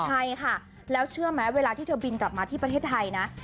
ใช่ค่ะแล้วเชื่อไหมเวลาที่เธอบินกลับมาที่ประเทศไทยนะ